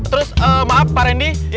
terus maaf pak rendi